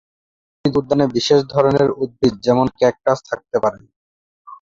উদ্ভিদ উদ্যানে বিশেষ ধরনের উদ্ভিদ যেমন ক্যাকটাস থাকতে পারে।